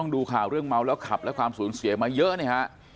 ดูข่าวเรื่องเมาแล้วขับและความสูญเสียมาเยอะเนี่ยฮะ